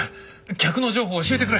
客の情報を教えてくれ！